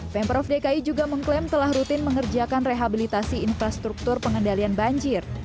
pemprov dki juga mengklaim telah rutin mengerjakan rehabilitasi infrastruktur pengendalian banjir